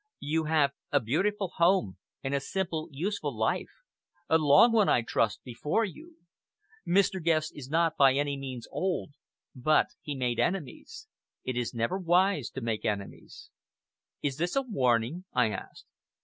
"You have a beautiful home and a simple, useful life a long one, I trust before you! Mr. Guest is not by any means old, but he made enemies! It is never wise to make enemies." "Is this a warning?" I asked.